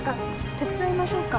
手伝いましょうか？